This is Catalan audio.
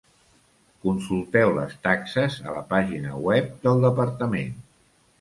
Consulteu les taxes a la pàgina web del Departament.